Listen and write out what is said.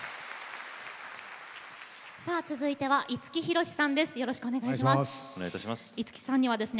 続いては五木ひろしさんです。